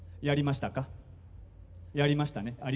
やりましたね。